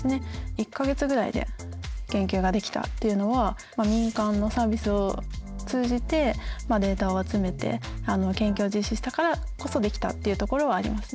１か月ぐらいで研究ができたっていうのは民間のサービスを通じてデータを集めて研究を実施したからこそできたっていうところはありますね。